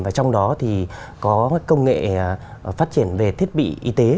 và trong đó thì có công nghệ phát triển về thiết bị y tế